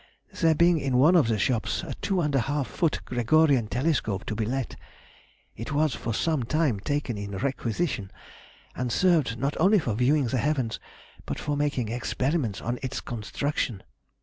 There being in one of the shops a two and a half foot Gregorian telescope to be let, it was for some time taken in requisition, and served not only for viewing the heavens but for making experiments on its construction....